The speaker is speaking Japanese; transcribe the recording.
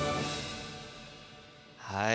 はい。